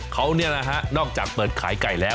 เขาเนี่ยนะฮะนอกจากเปิดขายไก่แล้ว